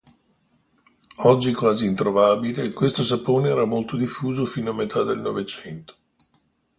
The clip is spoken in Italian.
Oggi quasi introvabile, questo sapone era molto diffuso fino a metà del Novecento.